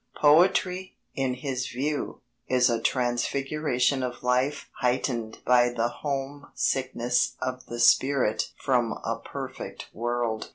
Poetry, in his view, is a transfiguration of life heightened by the home sickness of the spirit from a perfect world.